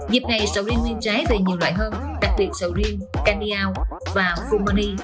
dịp này sầu riêng riêng trái về nhiều loại hơn đặc biệt sầu riêng candiao và fulmani